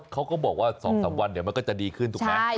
เขาก็บอกว่า๒๓วันเดี๋ยวมันก็จะดีขึ้นถูกไหม